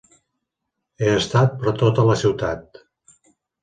He estat per tota la ciutat.